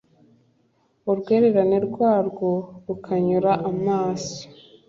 urwererane rwarwo rukanyura amaso,